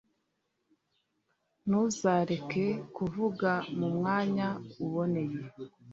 ntuzareke kuvuga mu mwanya uboneye